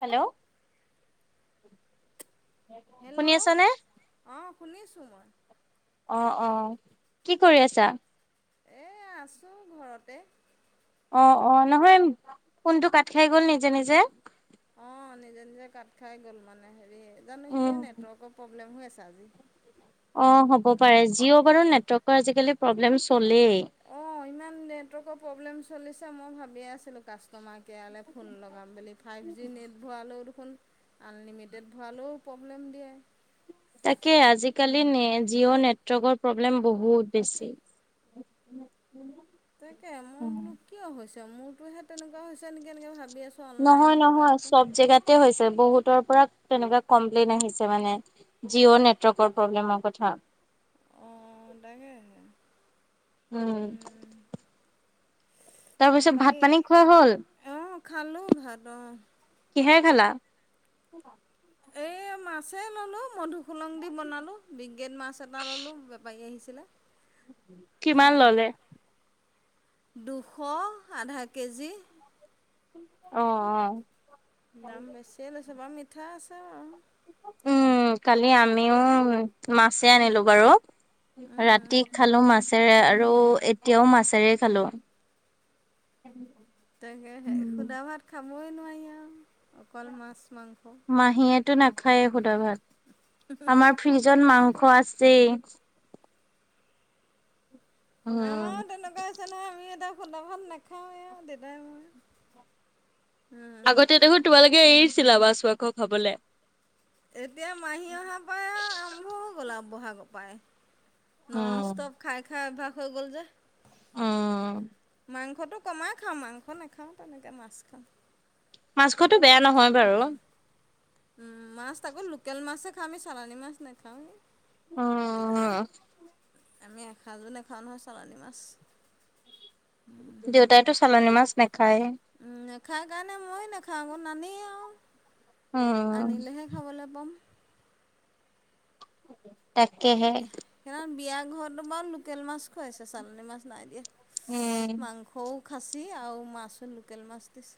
Hello hello. শুনি আছেনে? অঁ শুনিছোঁ মই। অ অ কি কৰি আছা? এ আছোঁ ঘৰতে। অঁ অঁ নহয় ফোনটো কাট খাই গ'ল নিজে নিজে। অঁ নিজে-নিজে কাট খাই গ'ল মানে হেৰি জানো উম কিয় নেটৱৰ্কৰ প্ৰব্লেম হৈ আছে আজি। অ' হব পাৰে, অঁ জিঅ' বাৰু নেটৱৰ্কৰ আজিকালি প্ৰব্লেম চলেই। অঁ ইমান নেটৱৰ্কৰ প্ৰব্লেম চলিছে মই ভাবিয়ে আছিলোঁ কাষ্টমাৰ কেয়াৰলৈ ফোন লগাম বুলি। ফাইভ জি নেট ভৰালেও দেখোন আনলিমিটেড ভৰালেও প্ৰব্লেম দিয়ে। তাকে আজিকালি নে জিঅ' নেট নেটৱৰ্কৰ প্ৰব্লেম বহুত বেছি। তাকে মই বোলো কিয় হৈছে মোৰতোহে তেনেকুৱা হৈছে নেকি এনেকে ভাবি আছোঁ। নহয় অনলাইনতো কাম নহয় কৰোঁ চব জেগাতে হৈছে, বহুতৰ পৰা তেনেকুৱা কমপ্লেইন আহিছে মানে। জিঅ' নেটৱৰ্কৰ প্ৰব্লেমৰ কথা। অহ তাকে উম, ওম তাৰপিছত ভাত বাকী পানী খোৱা হ'ল? আহ খালো ভাত অ কিহেৰে খালা? এই মাছেই ললোঁ মধুসুলং দি বনালোঁ। বিগগেন মাছ এটা ললো বেপাৰী আহিছিলে। হা কিমান ললে? দুশ আধা কেজি। অ অ। দাম বেছিয়ে লৈছে বাৰু মিঠা আছে বাও। উম কালি আমিও মাছে আনিলো বাৰু। ৰাতি খালো মাছেৰে আৰু এতিয়াও মাছেৰে খালো। তাকে সে সুধা ভাত খাবই নোৱাৰি আও অকল মাছ-মাংস। মাহীয়েটো নাখায় এ সোধা ভাত আমাৰ ফ্ৰিজত মাংস আছেই। উম। পছে ন আমি এটা হোদা ভাত নাখাওঁৱ এ আৰু দেউতাই মই। আগতে দেখো তোমালোকে এৰিছিলা মাছ-মাংস খাবলে। এতিয়া মাহী অহাৰ পৰাই আৰু আৰম্ভ হৈ গ'ল আও বহাগ পায় নন উম, ষ্টপ। খাই-খাই অভ্যাস হৈ গ'ল যে। অম। মাংসটো কমাই খাওঁ মাংস নাখাওঁ তেনেকে মাছ খাওঁ। মাছ খোৱাটো বেয়া নহয় বাৰু। উম মাছ আকৌ লোকেল মাছ হে খাওঁ আমি চালানী মাছ নাখাৱেই। অহ। আমি এসাঁজো নাখাওঁ নহয় চালানী মাছ। দেউতাইটো চালনী মাছ নাখায়েই। নাখায় কাৰণে মইও নাখাওঁ আকৌ নানেই আও উম, আনিলেহে খাবলৈ প'ম তাকেহে। সেইদিনাখন বিয়া ঘৰত বাও লোকেল মাছ খুৱাইছে চালনী মাছ নাই দিয়া উম। [unintelligible] মাংস সও খাচী আৰু মাছো লোকেল মাছ দিছে।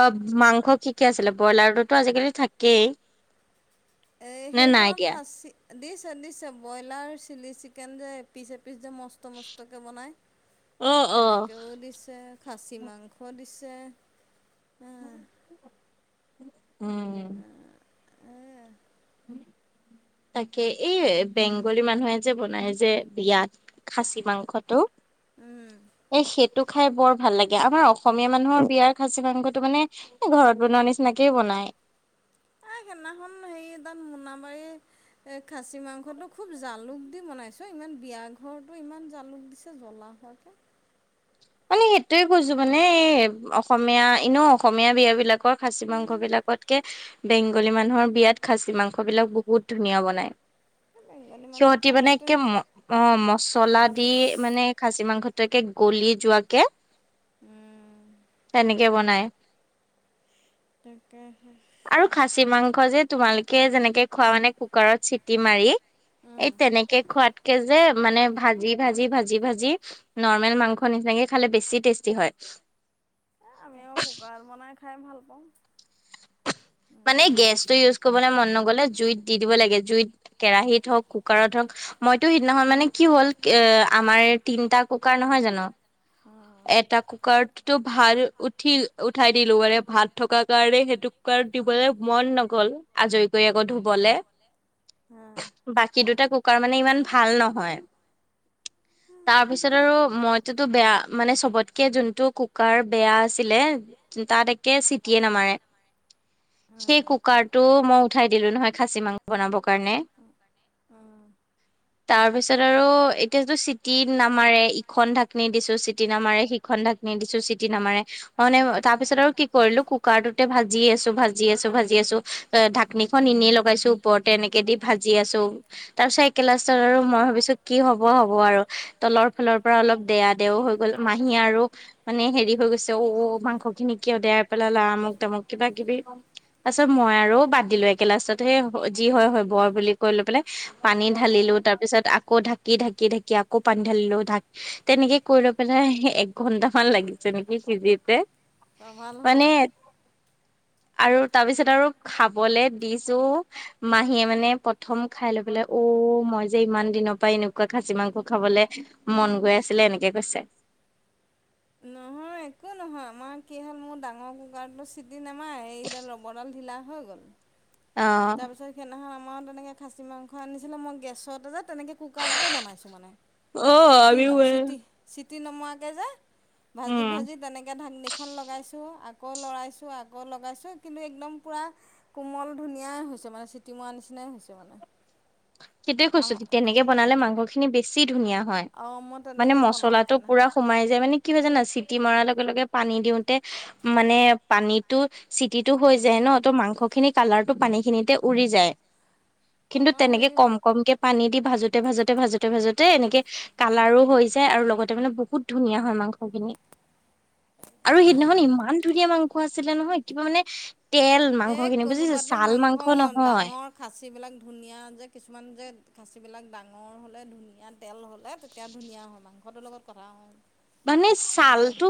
অ মাংস কি কি আছিলে? ব্ৰইলাৰতোতো আজিকালি থাকেই। এই নে নাই সেইখনত এতিয়া? খাচী দিছে দিছে ব্ৰইলাৰ চিলি চিকেন যে এপিচ এপিচ যে মস- ষ্ট মস্তকে বনাই, অ', অ'। তেনেকেও দিছে। খাচী মাংস দিছে, হাঁ। উম'। উম উম'। হুম? তাকে, এই বেংগলী মানুহে যে বনায় যে বিয়াত খাচী মাংসটো, - উম'। এ সেইটো খাই বৰ ভাল লাগে, আমাৰ অসমীয়া মানুহৰ বিয়াৰ খাচী মাংসটো মানে- এই ঘৰত বনোৱা নিচিনাকেই বনায়। এই সেইদিনাখন হেৰি এতাত মোনাবাৰী- এই খাচী মাংসটো খুব জালুক দি বনাইছেও ইমান বিয়া ঘৰতো ইমান জালুক দিছ- জ্বলা হোৱাকে। মানে- সেইটোৱে কৈছো মানে এই অসমীয়া এনেও অসমীয়া বিয়া বিলাকৰ খাচী মাংস বিলাকতকে- বেংগলী মানুহৰ বিয়াত খাচী মাংস বিলাক বহুত ধুনীয়া বনায়। এই বেংগলী মানুহৰ সিহঁতি মানে খানাটোৱে একে ম- অঁ মচলা দি মানে খাচী মাংসটো একে গলি- যোৱাকে তেনেকে বনায়। তাকেহে। আৰু খাচী মাংস যে তোমালোকে যেনেকে খোৱা মানে কুকাৰত চিটি মাৰি- এই তেনেকে খোৱাতকে যে মানে ভাজি ভাজি ভাজি ভাজি নৰ্মেল মাংস- হ নিচিনাকে খালে বেছি টেষ্টি হয়। তেওঁ শুকান বনাই খাই ভাল পাওঁ। মানে গেছটো ইউজ কৰিবলে মন নগ'লে জুইত দি দিব লাগে, জুইত- কেৰাহীত হওক কুকাৰত হওঁক। মইতো সিদিনাখন মানে কি হ'ল? এ আমাৰ তিনটা কুকাৰ নহয় জানো, - উম'। এটা কুকাৰতটো ভাত উঠিল উঠাই দিলো, মানে ভাত থকা কাৰণে সেইটো- কুকাৰত দিবলে মন নগল আজৰি কৰি আকৌ ধুবলে। বাকী দুটা কুকাৰ মানে ইমান ভাল নহয়। তাৰপিছত আৰু মইটোতো বেয়া- মানে চবতকে যোনটো কুকাৰ বেয়া আছিলে- তাত একে চিটিয়ে নামাৰে। সেই কুকাৰ টো মই উঠাই দিলো নহয় খাচী মাংস বনাবৰ কাৰণে। অঁ'। তাৰ পিছত আৰু এতিয়াতো চিটি নামাৰে ইখন ঢাকনি দিছো চিট- টি নামাৰে সিখন ঢাকনি দিছো চিটি নামাৰে, মই মানে তাৰপিছত আৰু কি কৰিলো কুকাৰটোত- তে ভাজি আছো ভাজি আছো ভাজি আছো, এ ঢাকনিখনন এনেই লগাইছো ওপৰতে এনেকে দি ভাজি আছো। তাপিছত একে লাষ্টত আৰু মই ভাবিছো কি হব হব আৰু? তলৰ ফালৰ পৰা অলপ দেয়া দেয়াও হৈ- গ'ল মাহী আৰু- মানে হেৰি হৈ গৈছে অও মাংস খিনি কিয় দেৰাই পেলালা আমুক তামুক কিবা কিবি। তাপিছত মই আৰু বাদ দিলো একে লাষ্টত সেই যি হয় হয় বৰ বুলি কৈ লৈ পেলাই। পানী ঢালিলো তাৰ পিছত আক- আকৌ ঢাকি ঢাকি ঢাকি আকৌ পানী ঢালিলো ঢাক তেনেকে কৰিলো। মানে এক ঘন্টা মান লাগিছে নেকি সিজোতে। অ ভাল হ'ল মানে নাই আৰু তাৰ পিছত আৰু খাবলে দিছো। মাহীয়ে মানে প্ৰথম খাই লৈ পেলাই, অ, মই যে ইমান দিনৰ পৰা এনেকুৱা খাচী মাংস খাবলে মন গৈ আছিলে, এনেকে কৈছে। নহয় একো নহয়, মই কি হ'ল মোৰ ডাঙৰ কুকাৰতো চিটি নেমাৰে, এইডাল ৰবৰডাল ঢিলা হৈ গ'ল। অ তাৰ পিছত সেইদিনাখন আমাৰো তেনেকে খাচী মাংস আনিছিলে, মই গেছতে যে তেনেকে কুকাৰটোতে বনাইছোঁ মানে। অ চিটি, আমিও এ চিটি, চিটি নমৰাকে যে। উম ভাজি-ভাজি তেনেকে ঢাকনিখন লগাইছোঁ, আ আকৌ লৰাইছোঁ, আকৌ লগাইছো, কিন্তু একদম পোৰা কোমল ধুনীয়া হৈছে মানে, চিটি মৰাৰ নিচিনাই হৈছে মানে। সেইটোৱে কৈছো, আমাৰ তেনেকে বনালে মাংস খিনি বেছি ধুনীয়া হয়। অঁ মই মানে তেনেকৈ বনালোঁ মচলাটো সেইদিনাখন পুৰা সোমাই যায়, মানে কি হয় জানা? চিটি মাৰ লগে-লগে পানী দিওতে মানে পানীটো চিটিটো হৈ যায় ন, ত', মাংসখিনি কালাৰটো পানী খিনিতে উৰি যায়। কিন্তু আমাৰ তেনেকে হেৰি কম-কমকে পানী দি ভাজোতে-ভাজোতে-ভাজোতে-ভাজোতে এনেকে কালাৰো হৈ যায়, আৰু লগতে মানে বহুত ধুনীয়া হয় মাংস খিনি। আৰু সিদিনাখন ইমান ধুনীয়া মাংস আছিলে নহয়, কিবা মানে তেল এই মাংস খিনি বুজিছা, কোনোবাতো ছাল মাংস নহয়। ডাঙৰ খাচীবিলাক ধুনীয়া যে, কিছুমান যে খাচীবিলাক ডাঙৰ হ'লে ধুনীয়া তেল হ'লে তে তেতিয়া ধুনীয়া হয়, মাংসটোৰ লগত কথা অ। মানে ছাল টো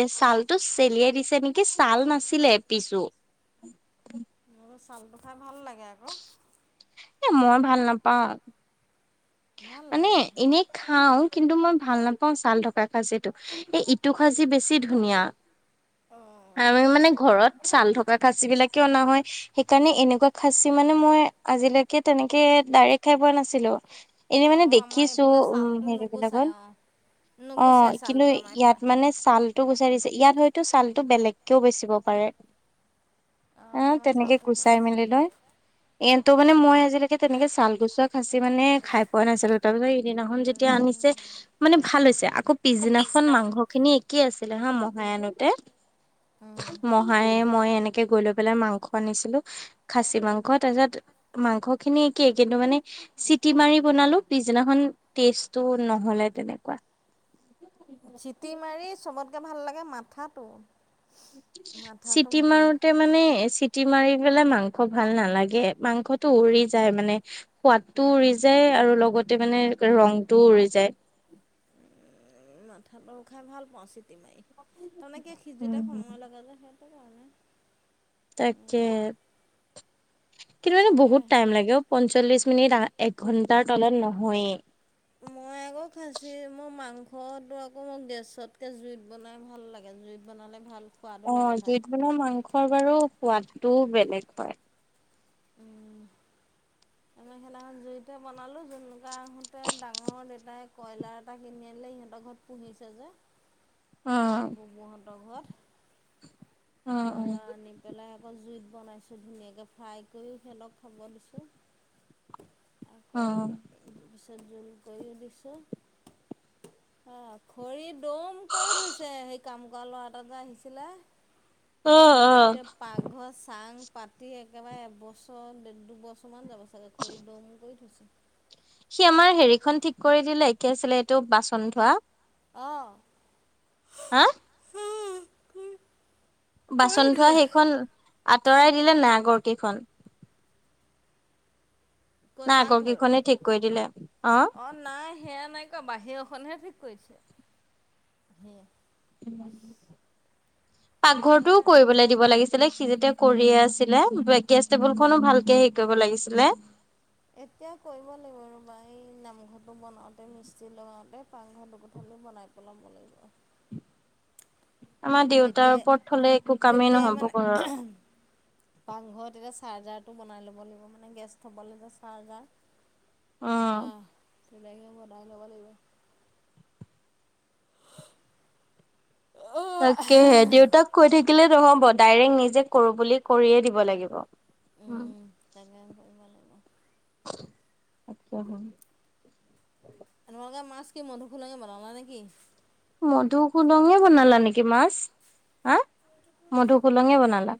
এ, ছালটো চেলিয়াই দিছে নেকি, ছাল নাছিলে এপিছো। মোৰ ছালটো খাই ভাল লাগে আকৌ। এ, মই ভাল নাপাওঁ। ভাল মানে লাগে খাই এনেই খাওঁ, কিন্তু মই ভাল নাপাওঁ ছাল থকা খাচিটো। এই ইটো খাচি বেছি ধুনীয়া, অঁ আমি সেইফালে মানে ঘৰত চাল থক খাচী বিলাকে অনা হয়। সেইকাৰণে এনেকুৱা খাচী মানে মই আজিলৈকে তেনেকে ডাইৰেক্ট খাই পোৱা নাছিলোঁ। এনেই মানে অঁ আমাৰ দেখিছোঁ, এইফালে উম, ছালটো নুগুচাই হেৰিবিলাকত। অঁ অ, নুগুচাই কিন্তু ছালটো আমাৰ ইয়াত এইফালে মানে ছাল টো গুচাই দিছে, ইয়াত হয়তো ছালতটো বেলেগকেও বেচিব পাৰে। অঁ আহ, আমাৰ তেনেকে ছালটো নুগুচাই গুচাই-মেলি লৈ। এইটো মানে মই আজিলৈকে তেনেকে চাল গুচোৱা খাচি মানে খাই পোৱা নাছিলোঁ। তাৰ পিছত সিদিনাখন যেতিয়া আনিছে, মানে ভাল হৈছে, আকৌ পিছদিনাখন মাংস খিনি একেই আছিলে হা, মহাই আনোতে। উম মহায়ে মই এনেকে গৈ লৈ পেলাই মাংস আনিছিলো খাচি মাংস। তাৰপিছত মাংস খিনি একেই, কিন্তু মানে চিটি মাৰি বনালো, পিছদিনাখন টেষ্টটো নহ'লে তেনেকুৱা। চিটি মাৰি চবতকে ভাল লাগে মাথাটো। মাথাটো চিটি ভাল লাগে মাৰোতে মানে চিটি মাৰি পেলাই মাংস ভাল নালাগে, মাংসটো উৰি যায় মানে। সোৱাদটোও উৰি যায় আৰু লগতে মানে ৰংটোও উৰি যায়। মাথাটো খাই ভাল পাওঁ চিটি মাৰি, তাৰমানে কি সিজোতে উম সময় লাগে যে, সেইটো কাৰণে। তাকে কিন্তু এইটো তাকে বহুত টাইম লাগে অ পঞ্চল্লিশ মিনিট এক ঘণ্টাৰ তলত নহয়ে। মই আকৌ খাচি মোৰ মাংসটো আকৌ মোক গেছতকে জুইত বনাই ভাল লাগে জুইত। বনালে ভাল। সোৱাদো অ লাগে খাই জুইত বনোৱা মাংসৰ বাৰু সোৱাদটোও বেলেগ হয়। উম। মেখেলাখন জুইতে বনালোঁ জোনোকা আহোঁতে ডাঙৰ দেউতাই কয়লাৰ এটা কিনি আনিলে সিহঁতৰ ঘৰত পুহিছে যে। [inaudible] ববহতৰ ঘৰত অ তাৰপা আনি পেলাই আকৌ জুইত বনাইছোঁ ধুনীয়াকে ফ্ৰাই কৰিও সিহঁতক খাব দিছোঁ। অ অ আকৌ পিছত জোল কৰিও দিছোঁ। অ খৰি দম কৰি থৈছে সেই কাম কৰা ল'ৰা এটা যে আহিছিলে। [inaudible] অ, [unintelligible] পাকঘৰ চাং পাতি একেবাৰে এবছৰ ড দুবছৰমান যাব চাগে। খৰি দম কৰি থৈছে। সি আমাৰ হেৰিখন ঠিক কৰি দিলে কি আছিলে এইটো বাচন থোৱা। অঁ হা [unintelligible] কৰি বাচন থোৱা দিলে সেইখন আঁতৰাই দিলে নাই আগৰ কেইখন। ক'ত নাই আগৰ পাকঘৰত? কেইখনে ঠিক কৰি দিলে, অ অঁ নাই সেয়া নাই কৰা বাহিৰখনহে ঠিক কৰিছে সেইয়া। পাকঘৰটোও নালা কৰিবলৈ দিব লাগিছিলে। ছিলে সি যেতিয়া কৰিয়ে আছিলে গেছ টেবুল খনো ভালকে হেৰি কৰিব লাগিছিলে। এতিয়া কৰিব লাগিব ৰ'বা এই নামঘৰটো বনাওঁতে মিস্ত্ৰী লগাওঁতে পাকঘৰ দুপোঠালি বনাইওঁ। বনাব লাগিব। আমাৰ দেউতাৰ তেতিয়াই ওপৰত থলে একো কামেই তেতিয়া ই নহব মানে। ঘৰৰ পাকঘৰত এতিয়া চাৰ্জাৰটো বনাই ল'ব লাগিব মানে গেছ থ'বলৈ যে চাৰ্জাৰ। উম। আহ ধুনীয়াকে বনাই ল'ব লাগিব। অ। তাকেহে দেউতাক কৈ থাকিলে নহব ডাইৰেক্ট নিজে কৰো বুলি কৰিয়ে দিব লাগিব। উ'ম। [unintelligible] কৰিব লাগিব। আত্ছা হয়। সেনেকা কে মাছ কি মন্ধুখোলাকে বনালা নেকি। মধু কোদঙে বনালা নেকি মাছ হা। মধুসুলঙে বনালা।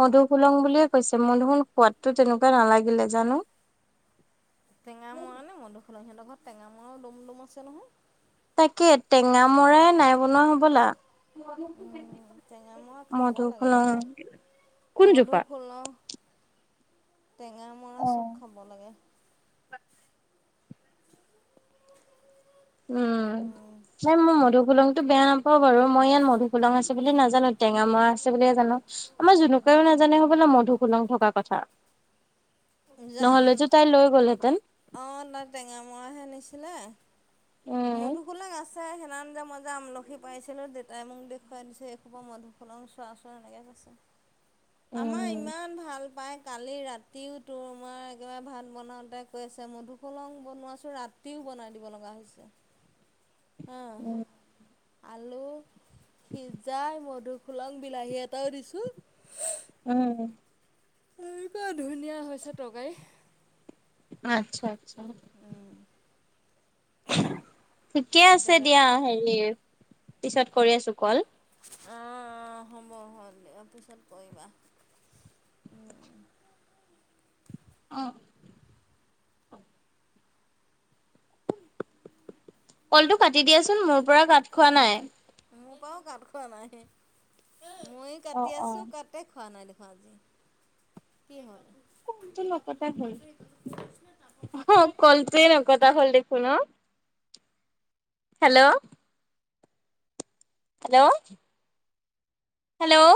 মধুসুলং বুলিয়ে কৈছে মধুসন সোৱাদো তেনেকুৱা নালাগিলে জানো। টেঙা মৰা নে মধুুখুলন সিহঁতৰ ঘৰত টঙা মৰাও দম'ম আছে নহয়। তাকে টেঙা মৰাই নাই বনোৱা হ'বলা। উম টেঙা মৰা খাব মধু লাগে খোলং এতিয়া। মধুসলহ টেঙামৰা অ'। চব খাব লাগে। [unintelligible] উম এ মোৰ মধুফুলনং। টোবেয়া নাপাও বাৰু, মই ইয়াত মধুসুললং আছে বুলি নাজানো, টেঙা মৰা আছে, বুলিয়ে জানো। আমাৰ জোনুকাইও নাজানে হ'বলা মধুসোলং থকা কথা। জান। নহ'লেতো তাই লৈ গ'লহেঁতেন। অ', তাই টেঙা মৰাহে নিছিলে। উম মধুসোলাং আছে সেইদিনাখন যে মই যে আমল লখি পাইছিলোঁ দেউতাই মোক দেখুৱাই দিছে, এইখোপা মধুসুলং চোৱা চোন এনেকে কৈছে। আমাৰ উম ইমান ভাল পায়, কালি ৰাতিও তোমাৰ একেবাৰে ভাত বনাওঁতে কৈ আছে মধুসুলং বনোৱাছোঁ ৰাতিও বনাই দিব লগা হৈছে। অঁ উম। আলু সিজাই মধুসোলং বিলাহী এটাও দিছোঁ। উম। এনেকুৱা ধুনীয়া হৈছে তকাৰকাৰী। আচ্ছা, আচ্ছা। উম। ঠিকে আছে এতিয়া দিয়া হেৰি, পিছত কৰি আছোঁ‌ কল। অ'-অ', হ'ব হল দিয়ক, পিছত কৰিবা, উম। অ'। কলটো কাটি দিয়াচোন মোৰ পৰা কাট খোৱা নাই। মোৰ পৰাও কাট খোৱা নাই, ময়ো অ' কাটি অ' আছোঁ কাট কাটেই খোৱা নাই দেখো আজি, কি কলটো হ'ল? অহ, কলটোৱে নকটা হ'ল দেখোন অ'। হেল্ল'? হেল্ল'? হেল্ল'?